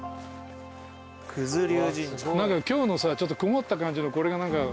何か今日のさちょっと曇った感じのこれが。